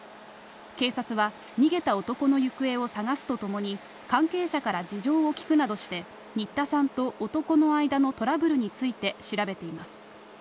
警察は逃げた男の行方を捜すとともに、関係者から事情を聴くなどして、新田さんと男の間のトラブルについて調べています。